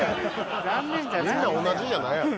みんな同じじゃないやろ。